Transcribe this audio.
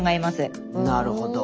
なるほど。